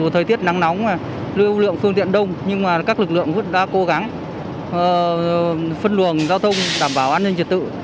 thời tiết nắng nóng lưu lượng phương tiện đông nhưng các lực lượng đã cố gắng phân luồng giao thông đảm bảo an ninh trật tự